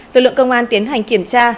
lực lượng công an tiến hành kiểm tra